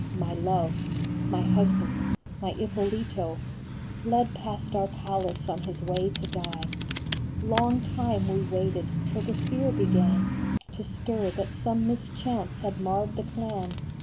My love, my husband, my Ippolito, Led past our palace on his way to die ! 102 A FLORENTINE JULIET. Long time we waited, till the fear began To bur that some mischance had marred the plan.